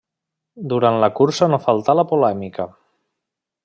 Durant la cursa no faltà la polèmica.